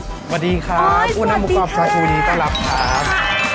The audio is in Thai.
สวัสดีครับคุณหน้าหมูกรอบชาชูนี้ต้อนรับครับ